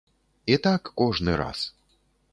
І так кожны раз.